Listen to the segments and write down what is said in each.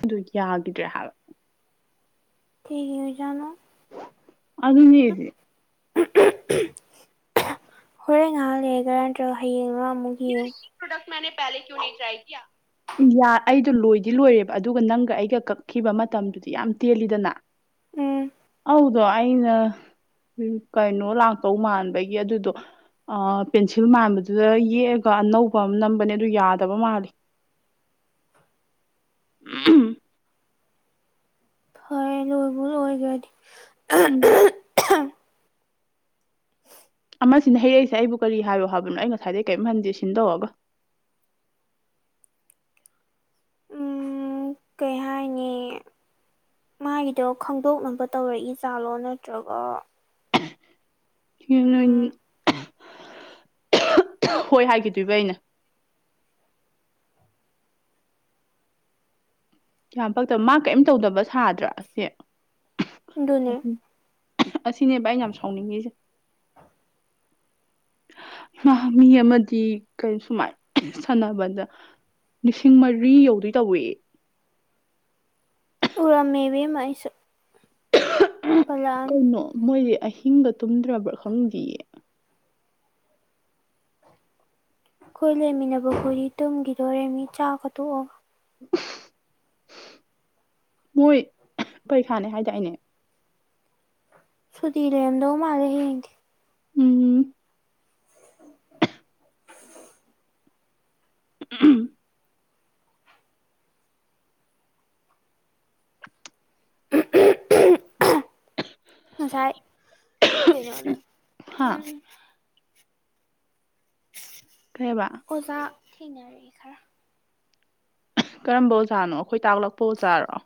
ꯑꯗꯨꯗꯤ ꯌꯥꯈꯤꯗ꯭ꯔꯦ ꯍꯥꯏꯕ ꯀꯔꯤꯒꯤ ꯑꯣꯏꯖꯥꯠꯅꯣ ꯑꯗꯨꯅꯦ ꯑꯍꯝ ꯑꯍꯝ ꯍꯣꯔꯦꯟ ꯉꯥꯏꯍꯥꯛ ꯂꯩꯒꯔ ꯅꯠꯇ꯭ꯔꯣ ꯍꯌꯦꯡꯂꯥ ꯑꯃꯨꯛ ꯌꯦꯡꯎ ꯃꯅꯦ ꯄꯍꯂꯦ ꯀꯨꯌꯣ ꯅꯍꯤ ꯆꯥꯏꯌꯦ ꯀꯤꯌꯥ ꯌꯥ ꯑꯩꯗꯣ ꯂꯣꯏꯗꯤ ꯂꯣꯏꯔꯦꯕ ꯑꯗꯨꯒ ꯅꯪꯒ ꯑꯩꯒ ꯀꯛꯈꯤꯕ ꯃꯇꯝꯗꯨꯗꯤ ꯌꯥꯝ ꯇꯦꯜꯂꯤꯗꯅ ꯎꯝ ꯐꯧꯗꯣ ꯑꯩꯅ ꯀꯩꯅꯣ ꯂꯥꯛꯇꯧ ꯃꯥꯟꯕꯒꯤ ꯑꯗꯨꯗꯣ ꯑꯥ ꯄꯦꯟꯁꯤꯜ ꯃꯥꯟꯕꯗꯨꯗ ꯌꯦꯛꯑꯒ ꯑꯅꯧꯕ ꯑꯃ ꯅꯝꯕꯅꯦ ꯑꯗꯨ ꯌꯥꯗꯕ ꯃꯥꯜꯂꯤ ꯎꯝ ꯍꯣꯏ ꯂꯣꯏꯕꯨ ꯑꯣꯏꯈ꯭ꯔꯗꯤ ꯎꯝ ꯑꯃꯁꯤꯅ ꯍꯩꯔꯛꯏꯁꯦ ꯑꯩꯕꯨ ꯀꯔꯤ ꯍꯥꯏꯌꯣ ꯍꯥꯏꯕꯅꯣ ꯑꯩ ꯉꯁꯥꯏꯗꯒꯤꯩ ꯀꯔꯤꯝ ꯍꯟꯗꯦ ꯁꯤꯟ ꯇꯧꯔꯒꯥ [inaudible] ꯎꯝ ꯀꯩ ꯍꯥꯏꯅꯤ ꯃꯥꯒꯤꯗꯣ ꯈꯪꯗꯣꯛꯅꯕ ꯇꯧꯔꯛꯏꯖꯥꯠꯂꯣ ꯅꯠꯇ꯭ꯔꯒ ꯎꯝ [unintelligible] ꯍꯣꯏ ꯍꯥꯏꯈꯤꯗꯣꯏꯕ ꯑꯩꯅ ꯌꯥꯝ ꯄꯛꯇꯕ ꯃꯥ ꯀꯔꯤꯝ ꯇꯧꯗꯕ ꯁꯥꯗ꯭ꯔꯥ ꯁꯦ ꯑꯗꯨꯅꯦ ꯑꯁꯤꯅꯦꯕ ꯑꯩ ꯌꯥꯝ ꯁꯥꯎꯅꯤꯡꯉꯤꯁꯦ ꯃꯥ ꯃꯤ ꯑꯃꯗꯤ ꯀꯔꯤ ꯁꯨꯃꯥꯏ ꯁꯥꯟꯅꯕꯗ ꯂꯤꯁꯤꯡ ꯃꯔꯤ ꯌꯧꯗꯣꯏ ꯇꯧꯋꯦ ꯎꯔꯝꯃꯦ ꯏꯕꯦꯝꯃ ꯑꯩꯁꯨ ꯄꯜꯂꯛꯑꯅꯤ ꯀꯩꯅꯣ ꯃꯣꯏꯁꯦ ꯑꯍꯤꯡꯒ ꯇꯨꯝꯗ꯭ꯔꯕ꯭ꯔꯥ ꯈꯪꯗ꯭ꯤꯌꯦ ꯑꯩꯈꯣꯏ ꯂꯩꯃꯤꯅꯕ ꯍꯣꯏꯗꯤ ꯇꯨꯝꯒꯤꯗꯣꯔꯦ ꯃꯤ ꯆꯥꯛꯀ ꯇꯣꯛꯑꯒ ꯃꯣꯏ ꯄꯔꯤꯈꯥꯅꯦ ꯍꯥꯏꯗꯥꯏꯅꯦ ꯁꯨꯗꯤ ꯂꯩ ꯔꯝꯗꯧ ꯃꯥꯜꯂꯦ ꯍꯌꯦꯡꯗꯤ ꯎꯝ ꯎꯝ [inaudible] [unintelligible] ꯉꯁꯥꯏ ꯀꯩꯅꯣꯗ ꯍꯥ ꯎꯝ ꯀꯩꯕ ꯑꯣꯖꯥ ꯊꯦꯡꯅꯔꯦ ꯈꯔ ꯀꯔꯝꯕ ꯑꯣꯖꯥꯅꯣ ꯑꯩꯈꯣꯏ ꯇꯥꯛꯂꯛꯄ ꯑꯣꯖꯥꯔꯣ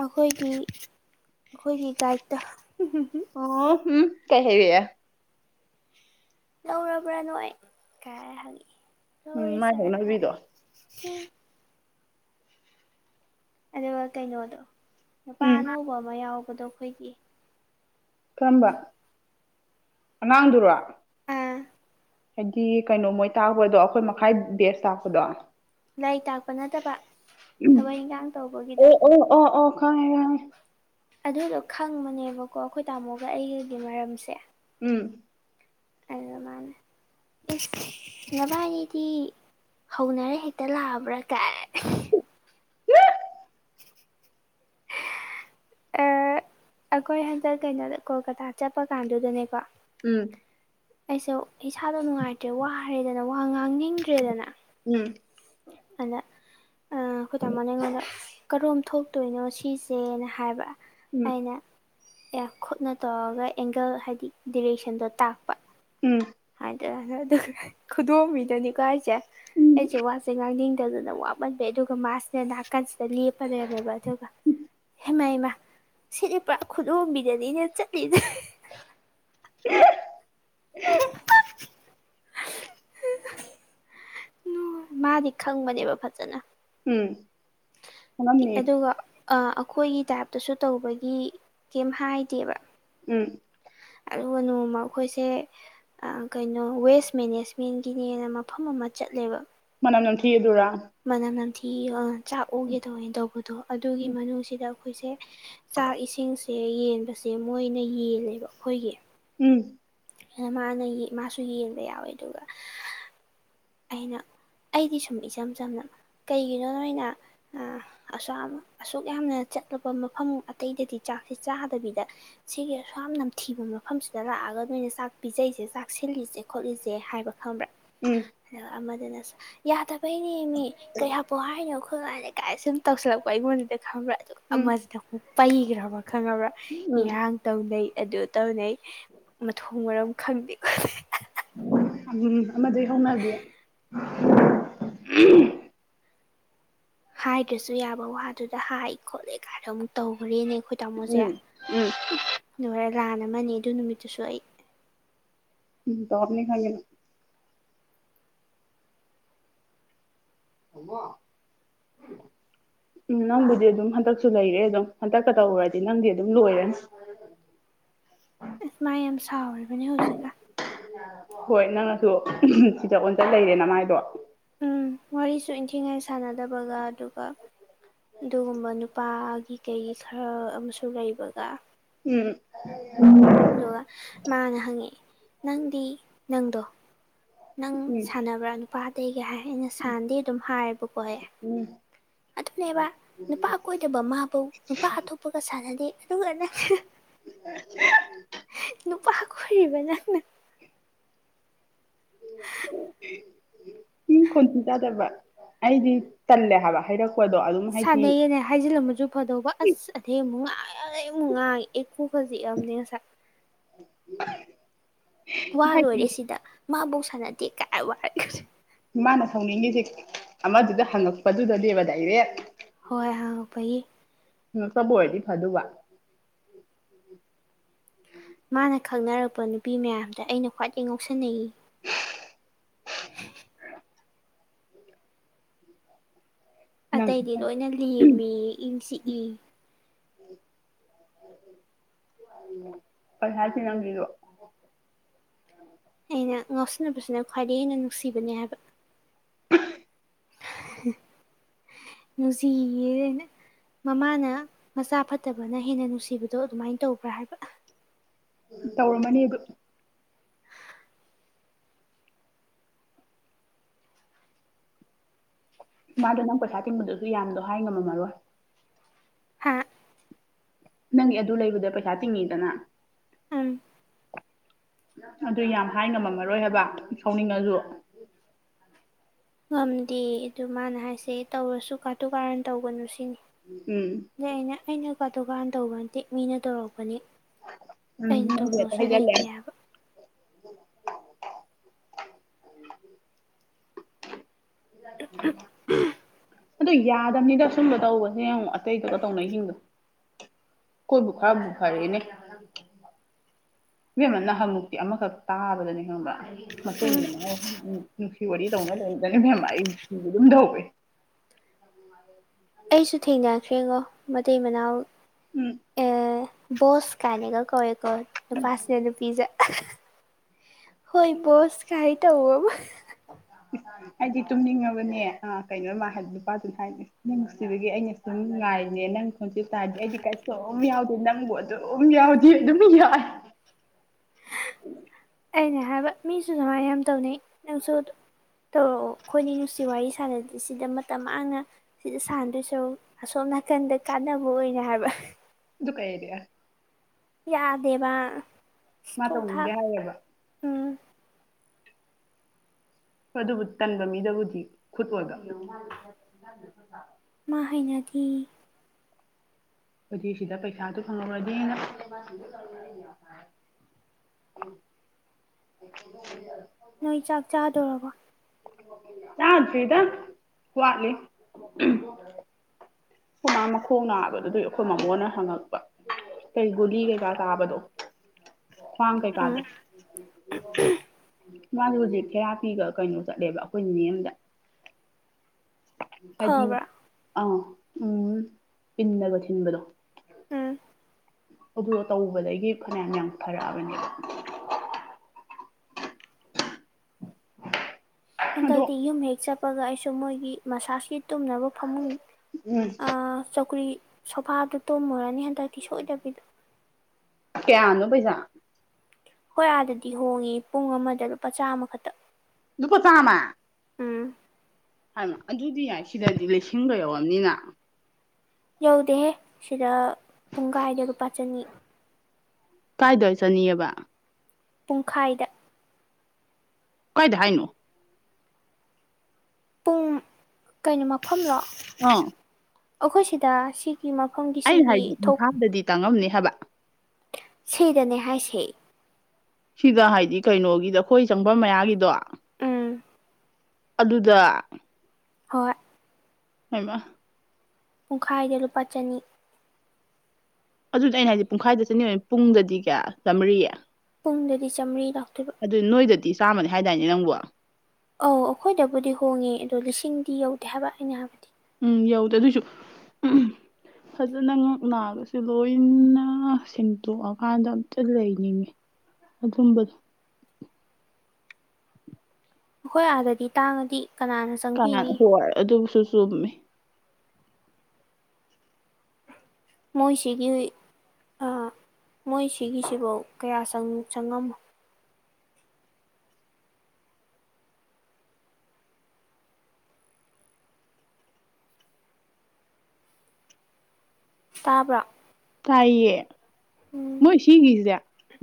ꯑꯩꯈꯣꯏꯒꯤ ꯑꯩꯈꯣꯏꯒꯤ ꯗꯥꯥꯏꯇ ꯑꯣ ꯍꯝ ꯀꯩ ꯍꯥꯢꯔꯛꯑꯦ ꯂꯧꯔꯕ꯭ꯔꯥ ꯅꯣꯏ ꯀꯥꯏ ꯍꯪꯉꯛꯑꯦ ꯎꯝ ꯂꯧꯔꯦ ꯃꯥꯢ ꯁꯥꯔ ꯍꯥꯏ ꯍꯧꯅꯕꯤꯗꯣ [unintelligible] ꯑꯗꯨꯒ ꯀꯩꯅꯣꯗꯣ ꯅꯨꯄꯥ ꯎꯝ ꯑꯅꯧꯕ ꯑꯃ ꯌꯥꯎꯕꯗꯣ ꯑꯈꯣꯏꯒꯤ ꯀꯔꯝꯕ ꯑꯉꯥꯡꯗꯨꯔꯣ ꯑ ꯍꯥꯏꯗꯤ ꯀꯩꯅꯣ ꯃꯣꯏ ꯇꯥꯛꯄꯗꯣ ꯑꯈꯣꯏ ꯃꯈꯥꯏ ꯕꯦꯠꯁ ꯇꯥꯛꯄꯗꯣ ꯂꯥꯏꯔꯤꯛ ꯇꯥꯛꯄ ꯅꯠꯇꯕ ꯎꯝ ꯊꯕꯛ ꯏꯟꯒꯥꯡ ꯇꯧꯕꯒꯤꯗꯣ ꯑꯣ ꯑꯣ ꯑꯣ ꯑꯣ ꯈꯪꯉꯦ ꯈꯪꯉꯦ ꯑꯗꯨꯗꯣ ꯈꯪꯕꯅꯦꯕꯀꯣ ꯑꯈꯣꯏ ꯇꯥꯃꯣꯒ ꯑꯩꯒꯤꯒꯤ ꯃꯔꯝꯁꯦ ꯎꯝ ꯑꯗꯨꯗ ꯃꯅꯥ ꯢꯁ ꯅꯕꯥꯟꯅꯤꯗꯤ ꯍꯧꯅꯔ ꯍꯦꯛꯇ ꯂꯥꯛꯑꯕ꯭ꯔꯥ ꯀꯥꯏ ꯑꯦ ꯑꯈꯣꯏ ꯍꯟꯇꯛ ꯀꯩꯅꯣꯗ ꯀꯣꯜꯀꯇꯥ ꯆꯠꯄ ꯀꯥꯟꯗꯨꯗꯅꯦꯀꯣ ꯎꯝ ꯑꯩꯁꯨ ꯏꯁꯥꯗꯣ ꯅꯨꯡꯉꯥꯏꯇ꯭ꯔꯦ ꯋꯥꯔꯦꯗꯅ ꯋꯥ ꯉꯥꯡꯅꯤꯡꯗ꯭ꯔꯦꯗꯅꯥ ꯎꯝ ꯑꯗ ꯑ ꯑꯈꯣꯏ ꯇꯥꯃꯣꯅꯦ ꯑꯩꯉꯣꯟꯗ ꯀꯔꯣꯝ ꯊꯣꯛꯇꯣꯏꯅꯣ ꯁꯤꯁꯦꯅ ꯍꯥꯏꯕ ꯎꯝ ꯑꯩꯅ ꯑꯦ ꯈꯨꯠꯅ ꯇꯧꯔꯒ ꯑꯦꯡꯒꯜ ꯍꯥꯏꯗꯤ ꯗꯤꯔꯦꯛꯁꯟꯗꯣ ꯇꯥꯛꯄ ꯎꯝ ꯗꯗꯥꯅ ꯑꯗꯨꯒ ꯈꯨꯗꯣꯝꯕꯤꯗꯅꯤꯀꯣ ꯍꯥꯢꯁꯦ ꯎꯝ ꯑꯩꯖꯦ ꯋꯥꯖ ꯅꯤꯡꯗꯗꯅ ꯋꯥꯃꯟꯕꯩ ꯑꯗꯨꯒ ꯃꯥꯁꯤꯅ ꯅꯥꯀꯟꯁꯤꯗ ꯂꯦꯞꯄ ꯂꯩꯔꯝꯃꯦꯕ ꯑꯗꯨꯒ ꯍꯦꯃꯥ ꯍꯦꯃꯥ ꯁꯤꯗꯤ ꯄꯨꯔꯥ ꯈꯨꯗꯣꯝꯕꯤꯗꯅꯤꯅꯦ ꯆꯠꯂꯤ ꯍꯝ ꯃꯥꯗꯤ ꯈꯪꯕꯅꯦꯕ ꯐꯠꯖꯅ ꯎꯝ ꯈꯜꯂꯝꯃꯤꯅꯤ ꯑꯥ ꯑꯈꯣꯏꯒꯤ ꯇꯥꯏꯞꯇꯁꯨ ꯇꯧꯕꯒꯤ ꯀ꯭ꯌꯝ ꯍꯥꯏꯗꯦꯕ ꯎꯝ ꯑꯗꯨꯒ ꯅꯣꯡꯃ ꯑꯈꯣꯏꯁꯦ ꯑ ꯀꯩꯅꯣ ꯋꯦꯁ ꯃꯦꯅꯦꯁꯃꯦꯟꯒꯤꯅꯦꯅ ꯃꯐꯝ ꯑꯃ ꯆꯠꯂꯦꯕ ꯃꯅꯝ ꯅꯝꯊꯤꯌꯦꯗꯨꯔꯥ ꯃꯅꯝ ꯅꯝꯊꯤ ꯑ ꯆꯥꯛ ꯑꯣꯒꯦ ꯇꯧꯌꯦꯟ ꯇꯧꯕꯗꯣ ꯑꯗꯨꯒꯤ ꯎꯝ ꯃꯅꯨꯡꯁꯤꯗ ꯑꯈꯣꯏꯁꯦ ꯆꯥꯛ ꯏꯁꯤꯡꯁꯦ ꯌꯦꯟꯕꯁꯦ ꯃꯣꯏꯅ ꯌꯦꯜꯂꯦꯕ ꯑꯈꯣꯏꯒꯤ ꯎꯝ ꯑꯗ ꯃꯥꯅ ꯌꯦ ꯃꯥꯁꯨ ꯌꯦꯟꯕ ꯌꯥꯎꯋꯦ ꯑꯗꯨꯒ ꯑꯩꯅ ꯑꯩꯗꯤ ꯁꯨꯝ ꯏꯆꯝ ꯆꯝꯅ ꯀꯩꯒꯤꯅꯣ ꯅꯣꯏꯅ ꯑꯁꯨꯌꯥꯝ ꯑꯁꯨꯛ ꯌꯥꯝꯅ ꯆꯠꯂꯨꯕ ꯃꯐꯝ ꯑꯇꯩꯗꯗꯤ ꯆꯥꯛꯁꯦ ꯆꯥꯗꯕꯤꯗ ꯁꯤꯒꯤ ꯑꯁꯨꯌꯥꯝ ꯅꯝꯊꯤꯕ ꯃꯐꯝꯁꯤꯗ ꯂꯥꯛꯑ ꯒ ꯅꯣꯏꯅ ꯆꯥꯛ ꯄꯤꯖꯩꯁꯦ ꯆꯥꯛ ꯁꯤꯜꯂꯤꯁꯦ ꯈꯣꯠꯂꯤꯁꯦ ꯍꯥꯏꯕ ꯈꯪꯕ꯭ꯔꯥ ꯎꯝ ꯑꯗꯨꯒ ꯑꯃꯗꯨꯅꯁꯨ ꯌꯥꯗꯕꯩꯅꯦꯃꯤ ꯀꯩ ꯍꯥꯞꯄꯣ ꯍꯥꯏꯅꯣ ꯈꯣ ꯍꯣꯏ ꯕꯥꯅ ꯀꯥꯏꯅ ꯁꯨꯝ ꯇꯧꯁꯤꯜꯂꯛꯄ ꯑꯩꯉꯣꯟꯖꯤꯗ ꯈꯪꯕ꯭ꯔꯥ ꯑꯗꯨꯒ ꯑꯃꯖꯤꯅ ꯑꯃꯨꯛ ꯄꯩꯒ꯭ꯔ ꯈꯪꯉꯕ꯭ꯔꯥ ꯏꯔꯥꯡ ꯇꯧꯅꯩ ꯑꯗꯨ ꯇꯧꯅꯩ ꯃꯊꯣꯡ ꯃꯔꯝ ꯈꯪꯗꯦ ꯈꯣꯠꯇꯦ ꯎꯝ ꯑꯗꯨꯅꯤ ꯑꯃꯗꯩ ꯍꯧꯅꯗꯦ ꯍꯥꯏꯗ꯭ꯔꯁꯨ ꯌꯥꯕ ꯋꯥꯗꯨꯗ ꯍꯥꯏ ꯈꯣꯠꯂꯦ ꯒꯥꯏꯅ ꯑꯃꯨꯛ ꯇꯧꯒ꯭ꯔꯦꯅꯦ ꯑꯈꯣꯏ ꯇꯥꯃꯣꯖꯦ ꯎꯝ ꯑꯝ ꯎꯝ ꯂꯣꯢꯔꯦ ꯂꯥꯟ ꯑꯃꯅꯤ ꯑꯗꯨ ꯅꯨꯃꯤꯠꯇꯨꯁꯨ ꯑꯩ ꯎꯝ ꯇꯧꯅꯤ ꯈꯪꯉꯦ ꯅꯪ ꯑꯃꯣ ꯎꯝ ꯅꯪꯕꯨꯗꯤ ꯑꯗꯨꯝ ꯍꯟꯗꯛꯁꯨ ꯂꯩꯔꯦ ꯑꯗꯨꯝ ꯍꯟꯗꯛꯀ ꯇꯧꯔꯗꯤ ꯅꯪꯗꯤ ꯑꯗꯨꯝ ꯂꯣꯏꯔꯅꯤ [inaudible] ꯑꯁ ꯃꯥ ꯌꯥꯝ ꯁꯥꯎꯔꯤꯕꯅꯤ ꯍꯧꯖꯤꯛꯀꯥꯟ ꯍꯣꯏ ꯅꯪꯅꯁꯨ ꯁꯤꯗꯠ ꯑꯣꯟꯖꯟ ꯂꯩꯔꯦ ꯅꯃꯥꯏꯗꯣ ꯎꯝ ꯋꯥꯔꯤꯁꯨ ꯏꯟꯊꯤꯉꯥꯏ ꯁꯥꯟꯅꯗꯕꯒ ꯑꯗꯨꯒ ꯑꯗꯨꯒꯨꯝꯕ ꯅꯨꯄꯥꯒꯤ ꯀꯩ ꯒꯤ ꯈꯔ ꯑꯃꯁꯨ ꯂꯩꯕꯒ [inaudible] ꯑꯗꯨꯒ ꯃꯥꯅ ꯍꯪꯉꯛꯑꯦ ꯅꯪꯗꯤ ꯅꯪꯗꯣ ꯅꯪ ꯁꯥꯟꯅꯕ꯭ꯔꯥ ꯅꯨꯄꯥ ꯑꯇꯩꯒ ꯍꯥꯏ ꯑꯩꯅ ꯁꯥꯟꯗꯦ ꯑꯗꯨꯝ ꯍꯥꯏꯌꯦꯕꯀꯣ ꯑꯦ ꯎꯝ ꯑꯗꯨꯅꯦꯕ ꯅꯨꯄꯥ ꯀꯣꯏꯗꯕ ꯃꯥꯕꯧ ꯅꯨꯄꯥ ꯑꯇꯣꯛꯄꯒ ꯁꯥꯟꯅꯗꯦ [unintelligible] [inaudible] ꯅꯨꯄꯥ ꯀꯣꯏꯔꯤꯕ ꯅꯪꯅ ꯏ ꯈꯣꯟꯊꯤ ꯆꯥꯗꯕꯔꯥ ꯑꯩꯗꯤ ꯇꯜꯂꯦ ꯍꯥꯏꯕ ꯍꯩꯔꯛ ꯁꯥꯟꯅꯩꯌꯦꯅ ꯍꯥꯏꯖꯤꯜꯂꯝꯃꯁꯨ ꯐꯗꯧꯕ ꯑꯁ ꯑꯗꯩ ꯃꯨꯛ ꯉꯥꯡꯑꯦ ꯑꯃꯨꯛ ꯉꯥꯡ ꯑꯦ ꯀꯣꯛꯀ ꯆꯤꯛꯑ ꯕꯅꯦ ꯉꯁꯥꯏ [inaudible] ꯋꯥ ꯂꯣꯏꯔꯦ ꯁꯤꯗ ꯃꯥꯕꯧ ꯁꯥꯟꯅꯗꯦ ꯀꯥꯏ ꯋꯥ ꯏꯃꯥꯅ ꯁꯧꯅꯤꯡꯉꯤꯁꯤ ꯑꯃꯗꯨꯗ ꯍꯪꯉꯛꯄꯗꯨꯗꯅꯦꯕ ꯗꯥꯏꯔꯦꯛ ꯍꯣꯏ ꯍꯉꯛꯄꯒꯤ ꯍꯉꯛꯇꯕ ꯑꯣꯏꯗꯤ ꯐꯥꯗꯨꯕ ꯃꯥꯅ ꯈꯪꯅꯔꯛꯄ ꯅꯨꯄꯤ ꯃꯌꯥꯝꯗꯩ ꯑꯩꯅ ꯈ꯭ꯋꯥꯏꯗꯩ ꯉꯥꯎꯁꯤꯟꯅꯩ ꯌꯦ ꯅꯪ ꯑꯇꯩꯗꯤ ꯀꯩ ꯂꯣꯏꯅ ꯂꯦꯝꯃꯤ ꯏꯪ ꯆꯤꯛꯏ ꯌꯦ [inaudible] ꯀꯩ ꯍꯥꯏꯈꯤ ꯅꯪꯗꯤ ꯑꯗꯨ ꯑꯩꯅ ꯉꯥꯎꯁꯤꯟꯅꯕꯁꯤꯅ ꯈ꯭ꯋꯥꯏꯗꯒꯤ ꯍꯦꯟꯅ ꯅꯨꯡꯁꯤꯕꯅꯦ ꯍꯥꯏꯕ [unintelligible] ꯃꯃꯥꯅ ꯃꯆꯥ ꯐꯠꯇꯕꯅ ꯍꯦꯟꯅ ꯅꯨꯡꯁꯤꯕꯗꯣ ꯑꯗꯨꯃꯥꯏ ꯇꯧꯕ꯭ꯔꯥ ꯍꯥꯏꯕ ꯇꯧꯔꯝꯃꯅꯤ ꯑꯗꯨ ꯃꯥꯗꯣ ꯅꯪ ꯄꯩꯁꯥ ꯇꯤꯟꯕꯗꯨꯁꯨ ꯌꯥꯝꯗꯣ ꯍꯥꯏ ꯉꯝꯃꯝꯃꯔꯣꯏ ꯍꯥ ꯅꯪꯒꯤ ꯑꯗꯨ ꯂꯩꯕꯗ ꯄꯩꯁꯥ ꯇꯤꯡꯉꯤꯗꯅ ꯎꯝ ꯑꯗꯨ ꯌꯥꯝ ꯍꯥꯏ ꯉꯝꯃꯝꯃꯔꯣꯏ ꯍꯥꯏꯕ ꯁꯥꯎꯅꯤꯡꯉꯖꯨ ꯉꯝꯗꯦ ꯑꯗꯨ ꯃꯥꯅ ꯍꯥꯏꯁꯦ ꯇꯧꯔꯁꯨ ꯀꯥꯇꯨ ꯀꯥꯔꯟ ꯇꯧꯒꯅꯨ ꯁ ꯁꯤꯅꯤ ꯎꯝ ꯑꯥ ꯑꯩꯅ ꯑꯩꯅ ꯀꯥꯇꯨ ꯀꯥꯔꯟ ꯇꯧꯕ ꯅꯠꯇꯦ ꯃꯤꯅ ꯇꯧꯔꯛꯄꯅꯤ ꯑꯝ ꯑꯩꯅ ꯅꯪꯁꯨ ꯍꯦꯛꯇꯥ ꯇꯧꯗꯧꯁꯨ ꯍꯤꯏꯖꯤꯜꯂꯦ ꯂꯩꯇꯦ ꯍꯥꯏꯕ ꯑꯗꯣ ꯌꯥ ꯗꯝꯅꯤꯗ ꯑꯆꯨꯝꯕ ꯇꯧꯕꯁꯦ ꯑꯃꯨꯛ ꯑꯇꯩꯗꯨꯒ ꯇꯧꯅꯩꯁꯤꯡꯗꯣ ꯀꯣꯏꯕꯨ ꯈꯔꯕꯨ ꯐꯔꯦꯅꯦ ꯎꯝ [unintelligible] [unintelligible] ꯑꯩꯁꯨ ꯊꯦꯡꯅꯈ꯭ꯔꯦꯉꯣ ꯃꯇꯩ ꯃꯅꯥꯎ ꯎꯝ ꯕꯣꯁ ꯀꯥꯟꯅꯒ ꯀꯧꯋꯦꯀꯣ ꯅꯨꯄꯥꯁꯤꯅ ꯅꯨꯄꯤꯗꯥ ꯍꯣꯏ ꯕꯣꯁ ꯀꯥꯏ ꯇꯧꯕꯃꯥ ꯑꯩꯗꯤ ꯇꯨꯝꯅꯤꯡꯉꯕꯅꯦ ꯑ ꯀꯩꯅꯣꯃ ꯃꯥ ꯍꯥꯏꯕꯗꯨꯕꯨ ꯅꯨꯄꯥꯗꯨꯅ ꯍꯥꯏꯅꯦ ꯅꯨꯡꯁꯤꯕꯒꯤ ꯑꯩꯅ ꯁꯨꯝ ꯉꯥꯏ ꯑꯩꯅꯦ ꯅꯪ ꯈꯣꯟꯆꯦꯟ ꯇꯥꯔꯗꯤ ꯑꯩꯗꯤ ꯀꯩꯁꯨꯨꯝ ꯌꯥꯎꯗꯦ ꯅꯪꯕꯨ ꯑꯗꯨꯝ ꯌꯥꯎꯔꯗꯤ ꯑꯗꯨꯝ ꯌꯥꯏ [inaudible] ꯑꯩꯅ ꯍꯥꯏꯕ ꯃꯤꯁꯨ ꯑꯗꯨꯃꯥꯏ ꯌꯥꯝ ꯇꯧꯅꯩ ꯅꯪꯁꯨ ꯇꯧꯔꯛꯑꯣ ꯑꯩꯈꯣꯏꯅꯤ ꯅꯨꯡꯁꯤ ꯋꯥꯔꯤ ꯁꯥꯟꯅꯗꯦ ꯁꯤꯗ ꯃꯇꯝ ꯃꯥꯡꯅ ꯁꯤꯗ ꯁꯥꯟꯅꯗꯣꯏ ꯁꯔꯨꯛ ꯑꯁꯣꯝ ꯅꯥꯀꯟ ꯅꯀꯟꯗ ꯀꯥꯟꯅꯕ ꯑꯣꯏꯅ ꯍꯥꯏꯕ [unintelligible] ꯌꯥꯗꯦꯕ ꯃꯥ ꯁꯤꯊꯣꯛ ꯇꯧꯅꯤꯡꯗꯦ ꯊꯥꯛ ꯍꯥꯏꯌꯦꯕ ꯎꯝ ꯍꯣꯏ ꯑꯗꯨꯕꯨ ꯗꯤꯇꯟꯕ ꯃꯤꯗꯕꯨꯗꯤ ꯈꯨꯠ ꯑꯣꯏꯕ ꯃꯥ ꯍꯩꯅꯗꯤ ꯑꯗꯨꯗꯤ ꯁꯤꯗ ꯄꯩꯁꯥꯗꯨ ꯐꯪꯉꯧꯔꯗꯤꯅ [unintelligible] ꯅꯣꯏ ꯆꯥꯛ ꯆꯥꯗꯣꯔꯕꯣ ꯆꯥꯗ ꯔꯤꯗ ꯋꯥꯠꯂꯤ ꯑꯩꯈꯣꯏ ꯃꯥ ꯃꯈꯣꯡ ꯅꯥꯕꯑꯗꯨꯒꯤ ꯑꯩꯈꯣꯏ ꯃꯥꯃꯣꯅ ꯍꯪꯉꯛꯄ ꯀꯩ ꯒꯨꯂꯤ ꯀꯩꯀꯥ ꯆꯥꯕꯗꯣ ꯈꯋꯥꯡ ꯀꯩ ꯎꯝ ꯀꯥꯗꯣ ꯃꯥꯗꯨ ꯍꯧꯖꯤꯛ ꯊꯦꯔꯥꯄꯤꯒ ꯀꯩꯅꯣ ꯆꯠꯂꯦꯕ ꯑꯩꯈꯣꯏ ꯅꯤꯅꯦ ꯑꯝꯗ ꯍꯥꯏꯗꯤ ꯐꯕ꯭ꯔꯥ ꯑꯥ ꯎꯝ ꯄꯤꯟꯅꯒ ꯊꯤꯟꯕꯗꯣ ꯎꯝ ꯑꯗꯨ ꯇꯧꯕꯗꯒꯤ ꯐꯅꯌꯥꯝ ꯌꯥꯝ ꯐꯔꯛꯑꯕꯅꯦꯕ ꯍꯟꯗꯛꯇꯤ ꯑꯗꯣ ꯌꯨꯝ ꯍꯦꯛ ꯆꯠꯄꯒ ꯑꯩꯁꯨ ꯃꯣꯏꯒꯤ ꯃꯁꯥꯁꯀꯤ ꯇꯨꯝꯅꯕ ꯐꯃꯨꯡ ꯎꯝ ꯑ ꯆꯧꯀꯔꯤ ꯁꯣꯐꯥꯗꯨ ꯇꯨꯝꯃꯨꯔꯅꯤ ꯍꯟꯗꯛꯛꯇꯤ ꯁꯣꯏꯗꯕꯤꯗ ꯀꯌꯥꯅꯣ ꯄꯩꯁꯥ ꯑꯩꯈꯣꯏ ꯑꯥꯗꯗꯤ ꯍꯣꯡꯉꯦ ꯄꯨꯡ ꯑꯃꯗ ꯂꯨꯄꯥ ꯆꯥꯝꯃꯈꯇ ꯂꯨꯄ ꯆꯝꯃ ꯍꯥꯏꯃ ꯑꯗꯨꯗꯤ ꯌꯥꯏ ꯁꯤꯗꯗꯤ ꯂꯤꯁꯤꯡꯒ ꯌꯧꯔꯝꯅꯤꯅ ꯌꯧꯗꯦꯍꯦ ꯁꯤꯗ ꯄꯨꯡ ꯀꯥꯏꯗ ꯂꯨꯄꯥ ꯆꯅꯤ ꯀꯥꯏꯗ ꯆꯅꯤꯑꯕ ꯄꯨꯡꯈꯥꯏꯗ ꯀꯣꯏꯗ ꯍꯥꯏꯅꯣ ꯄꯨꯡ ꯀꯩꯅꯣ ꯃꯐꯝꯂꯣ ꯑꯥ ꯑꯩꯈꯣꯏ ꯁꯤꯗ ꯁꯤ ꯃꯐꯝꯒꯤ ꯑꯩꯅ ꯁꯤꯒꯤ ꯍꯥꯏꯗꯤ ꯊꯣꯛ ꯏꯝꯐꯥꯜꯗꯗꯤ ꯇꯥꯡꯉꯝꯅꯤ ꯍꯥꯏꯕ ꯁꯤꯗꯅꯦ ꯍꯥꯏꯁꯦ ꯁꯤꯗ ꯍꯥꯏꯗꯤ ꯀꯩꯅꯣꯒꯤꯗ ꯑꯩꯈꯣꯏ ꯆꯪꯐꯝ ꯃꯌꯥꯒꯤꯗꯣ ꯎꯝ ꯑꯗꯨꯗ ꯍꯣꯏ ꯍꯩꯃ ꯄꯨꯡꯈꯥꯏꯗ ꯂꯨꯄꯥ ꯆꯅꯤ ꯑꯗꯨꯗ ꯑꯩꯅ ꯍꯥꯏꯗꯤ ꯄꯨꯡꯈꯥꯏꯗ ꯆꯅꯤꯑꯣꯏ ꯄꯨꯡꯗꯗꯤ ꯀꯌꯥ ꯆꯥꯃꯔꯤ ꯄꯨꯡꯗꯗꯤ ꯆꯥꯝꯃꯔꯤ ꯂꯥꯛꯇ꯭ꯣꯏꯕ ꯅꯣꯏꯗꯗꯤ ꯆꯥꯝꯃꯅꯤ ꯍꯥꯏꯗꯥꯏꯅꯦ ꯅꯪꯕꯨ ꯑꯧ ꯑꯩꯈꯣꯏꯗꯕꯨꯗꯤ ꯍꯣꯡꯉꯦ ꯑꯗꯣ ꯂꯤꯁꯤꯡꯗꯤ ꯌꯧꯗꯦ ꯍꯥꯏꯕ ꯑꯩꯅ ꯍꯥꯏꯕꯗꯤ ꯎꯝ ꯌꯥꯎꯗꯦ ꯑꯗꯨꯏꯁꯨ ꯐꯖꯅ ꯉꯛ ꯅꯥꯒꯁꯨ ꯂꯣꯏꯅ ꯁꯦꯡꯇꯣꯛꯑꯀꯥꯟꯗ ꯑꯝꯇ ꯂꯩꯅꯤꯡꯉꯤ ꯑꯝꯕꯗꯨ ꯍꯣꯏ ꯑꯥꯗꯗꯤ ꯇꯥꯡꯉꯗꯤ ꯀꯅꯥꯅ ꯀꯅꯥ ꯆꯪꯕꯤꯅꯤ ꯍꯣꯏ ꯑꯗꯨꯁꯨ ꯆꯨꯝꯃꯤ ꯃꯍꯣꯏꯁꯤꯒꯤ ꯍꯨꯏ ꯑꯥ ꯃꯣꯏ ꯁꯤꯒꯤꯁꯤꯕꯧ ꯀꯌꯥ ꯆꯪꯉꯝꯃꯣꯏ ꯇꯥꯕ꯭ꯔꯥ ꯇꯥꯏꯌꯦ ꯎꯝ ꯃꯣꯏ ꯁꯤꯒꯤꯁꯦ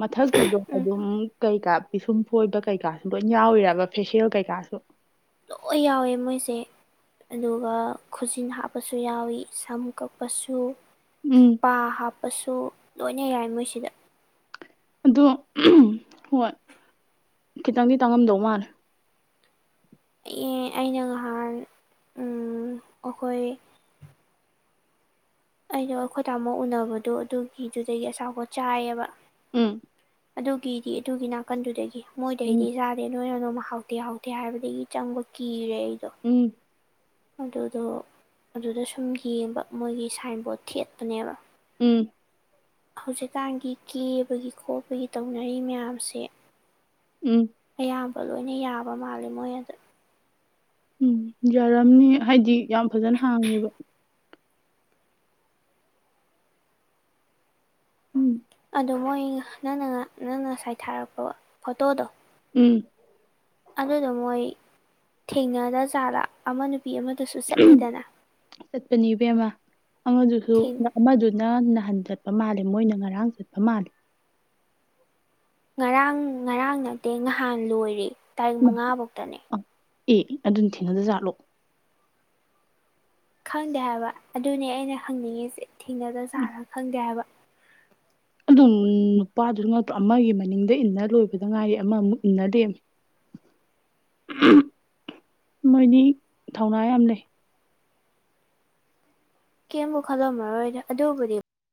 ꯃꯊꯛꯀꯤꯗꯣ ꯑꯗꯨꯝ ꯀꯩꯀꯥ ꯄꯤꯁꯨꯝ ꯐꯣꯏꯕ ꯀꯩꯀꯥꯁꯨ ꯂꯣꯏ ꯌꯥꯎꯏꯔꯕ ꯐꯦꯁꯤꯌꯦꯜ ꯀꯩꯀꯥꯁꯨ ꯂꯣꯏ ꯌꯥꯎꯋꯦ ꯃꯣꯏꯁꯦ ꯑꯗꯨꯒ ꯈꯨꯖꯤꯟ ꯍꯥꯞꯄꯁꯨ ꯌꯥꯎꯏꯤ ꯁꯝ ꯀꯛꯄꯁꯨ ꯎꯝ ꯄꯥ ꯍꯥꯞꯄꯁꯨ ꯂꯣꯏꯅ ꯌꯥꯏ ꯃꯣꯏꯁꯤꯗ ꯑꯗꯨ ꯍꯣꯏ ꯈꯤꯇꯪꯗꯤ ꯇꯥꯡꯉꯝꯗꯧ ꯃꯥꯜꯂꯦ ꯑꯩ ꯑꯩꯅ ꯉꯍꯥꯟ ꯎꯝ ꯑꯩꯈꯣꯏ ꯑꯩꯗꯣ ꯑꯩꯈꯣꯏ ꯇꯥꯃꯨ ꯎꯅꯕꯗꯣ ꯑꯗꯨꯒꯤꯗꯨꯗꯒꯤ ꯑꯆꯥꯥꯄꯣꯠ ꯆꯥꯏꯑꯕ ꯎꯝ ꯑꯗꯨꯒꯤꯗꯤ ꯑꯗꯨꯒꯤ ꯅꯥꯀꯟꯗꯨꯗꯒꯤ ꯎꯝ ꯃꯣꯏꯗꯩꯗꯤ ꯆꯥꯗꯦ ꯅꯣꯏꯅ ꯑꯗꯨꯝ ꯍꯥꯎꯊꯦ ꯍꯥꯎꯊꯦ ꯍꯥꯏꯕꯗꯒꯤ ꯆꯪꯕ ꯀꯤꯔꯦ ꯑꯩ ꯎꯝ ꯑꯗꯨꯗꯣ ꯑꯗꯨꯗ ꯁꯨꯝ ꯌꯦꯡꯕ ꯃꯣꯏꯒꯤ ꯁꯥꯏꯟꯕꯣꯠ ꯊꯦꯠꯄꯅꯦꯕ ꯎꯝ ꯍꯧꯖꯤꯛꯀꯥꯟꯒꯤ ꯀꯦꯕꯒꯤ ꯈꯣꯠꯄꯒꯤ ꯇꯧꯅꯔꯤ ꯃꯌꯥꯝꯁꯦ ꯎꯝ ꯑꯌꯥꯝꯕ ꯂꯣꯏꯅ ꯌꯥꯕ ꯃꯥꯜꯂꯦ ꯃꯣꯏ ꯑꯗꯥ ꯎꯝ ꯌꯥꯔꯝꯅꯤ ꯍꯥꯏꯗꯤ ꯌꯥꯝ ꯐꯖꯅ ꯍꯥꯡꯉꯦꯕ ꯎꯝ ꯑꯗꯣ ꯃꯣꯏ ꯅꯪꯅ ꯅꯪꯅ ꯉꯁꯥꯏ ꯊꯥꯔꯛꯄ ꯐꯣꯇꯣꯗꯣ ꯎꯝ ꯑꯗꯨꯗꯣ ꯃꯣꯏ ꯊꯦꯡꯅꯗ ꯖꯥꯠꯂꯥ ꯑꯃ ꯅꯨ ꯑꯍꯝ ꯆꯠꯄꯅꯦ ꯏꯕꯦꯝꯃ ꯑꯃꯗꯨꯁꯨ ꯑꯃꯗꯨꯅ ꯅꯍꯟ ꯆꯠꯄ ꯃꯥꯜꯂꯦ ꯃꯣꯏꯅ ꯉꯔꯥꯡ ꯆꯠꯄ ꯃꯥꯜꯂꯦ ꯉꯔꯥꯡ ꯉꯔꯥꯡ ꯅꯠꯇꯦ ꯅꯍꯥꯟ ꯂꯣꯏꯔꯦ ꯇꯥꯔꯤꯛ ꯃꯉꯥ ꯕꯧꯇꯅꯦ ꯑ ꯑꯦ ꯑꯗꯨꯝ ꯊꯦꯡꯅꯗ ꯖꯥꯠꯂꯣ ꯈꯪꯗꯦ ꯍꯥꯏꯕ ꯑꯗꯨꯅꯦ ꯑꯩꯅ ꯍꯪꯅꯤꯡꯉꯤꯁꯦ ꯊꯦꯡꯅꯗ ꯆꯥꯔ ꯈꯪꯗꯦ ꯍꯥꯏꯕ ꯑꯗꯨꯝ ꯅꯨꯄꯥꯗꯨ ꯅꯠꯇꯔꯣ ꯑꯃꯒꯤ ꯃꯅꯤꯡꯗ ꯏꯟꯅ ꯂꯣꯏꯕꯗ ꯉꯥꯏꯔꯤ ꯑꯃꯃꯨꯛ ꯏꯟꯅ ꯂꯩꯔꯝꯃꯤ ꯑꯍꯝ ꯃꯣꯏꯅꯤ ꯊꯧꯅꯥ ꯌꯥꯝ ꯂꯩ ꯀꯦꯝꯕꯨ ꯈꯜꯂꯝꯃꯔꯣꯏꯗ ꯑꯗꯨꯕꯨꯗꯤ